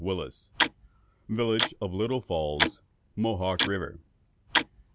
VILLAGE OF LITTLE FALLS, MOHAWK RIVER.